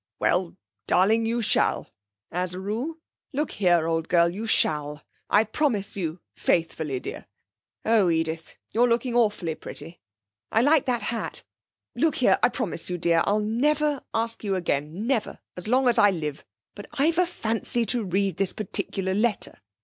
'Well, darling, you shall, as a rule. Look here, old girl, you shall. I promise you, faithfully, dear. Oh, Edith, you're looking awfully pretty; I like that hat. Look here, I promise you, dear, I'll never ask you again, never as long as I live. But I've a fancy to read this particular letter.